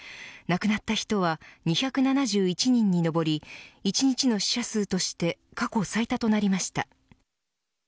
亡くなった人は２７１人にのぼり１日の死者数として過去最多となりました。